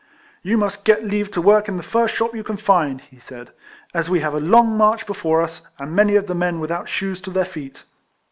" You must get leave to work in the first shop you can find," he said, "as we have a long march before us, and many of the men without shoes to their feet."